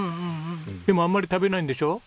でもあんまり食べないんでしょ？